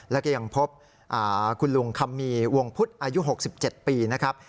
แล้วก็ยังพบคุณลุงคัมมีวงพุทธอายุ๖๗ปีนะครับ